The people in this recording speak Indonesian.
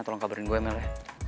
tolong kabarin gue ya mel ya